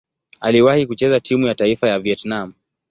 Aliwahi kucheza timu ya taifa ya Vietnam.